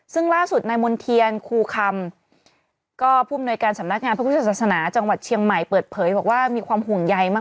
ซึ่งล่าสุดนายมณ์เทียนครูคำก็ผู้มนวยการสำนักงานพระพุทธศาสนาจังหวัดเชียงใหม่เปิดเผยบอกว่ามีความห่วงใยมาก